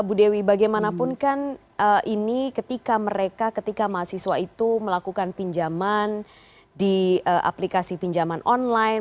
bu dewi bagaimanapun kan ini ketika mereka ketika mahasiswa itu melakukan pinjaman di aplikasi pinjaman online